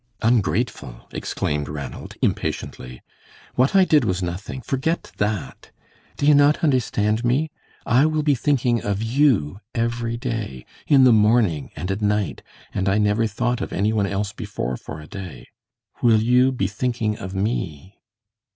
"Ungrateful!" exclaimed Ranald, impatiently. "What I did was nothing. Forget that. Do you not understand me? I will be thinking of you every day, in the morning and at night, and I never thought of any one else before for a day. Will you be thinking of me?"